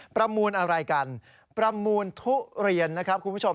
ประมูลอะไรกันประมูลทุเรียนนะครับคุณผู้ชม